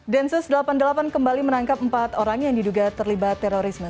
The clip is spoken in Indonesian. densus delapan puluh delapan kembali menangkap empat orang yang diduga terlibat terorisme